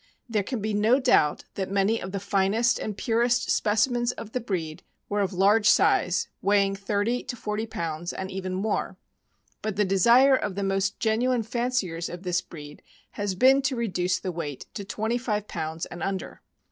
There can be no doubt that many of the finest and purest specimens of the breed were of large size, weighing thirty to forty pounds, and even more; but the desire of the most genuine fanciers of this breed has been to reduce the weight to twenty live pounds and under.